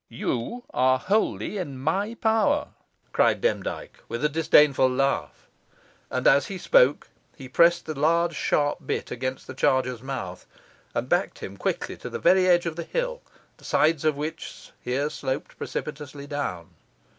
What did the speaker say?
"You are wholly in my power," cried Demdike with a disdainful laugh. And as he spoke he pressed the large sharp bit against the charger's mouth, and backed him quickly to the very edge of the hill, the sides of which here sloped precipitously down.